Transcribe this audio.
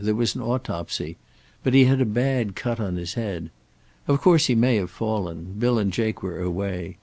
There was an autopsy. But he had a bad cut on his head. Of course, he may have fallen Bill and Jake were away.